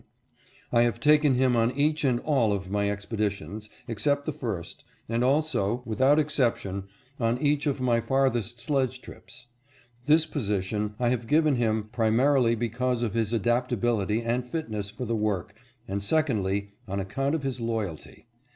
I have taken him on each and all of my expeditions, except the first, and also without exception on each of my farthest sledge trips. This position I have given him primarily because of his adaptability and fitness for the work and secondly on account of his loyalty.